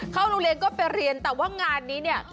เข้าโรงเรียนก็ไปเรียนแต่ว่างานนี้เนี่ย